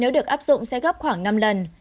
cũng sẽ gấp khoảng năm lần